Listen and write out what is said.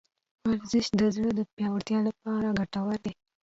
ورزش د زړه د پیاوړتیا لپاره ګټور دی.